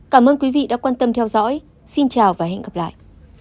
cảm ơn quý vị đã quan tâm theo dõi xin chào và hẹn gặp lại